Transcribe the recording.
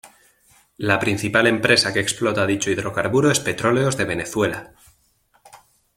La principal empresa que explota dicho hidrocarburo es Petróleos de Venezuela.